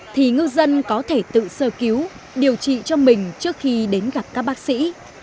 thì ngư dân có thể tự sơ cứu điều trị cho mình trước khi đến gặp các bác sĩ